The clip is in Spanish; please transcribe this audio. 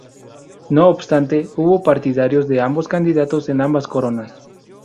No obstante, hubo partidarios de ambos candidatos en ambas coronas.